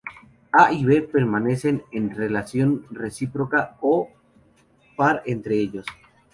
A y B permanecen en una relación recíproca o par entre ellos.